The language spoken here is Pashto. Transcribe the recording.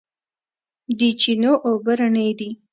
د چینو اوبه رڼې دي